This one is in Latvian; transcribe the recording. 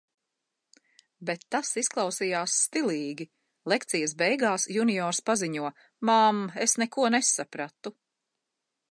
Bet tas izklausījās stilīgi. Lekcijas beigās, juniors paziņo: Mam, es neko nesapratu.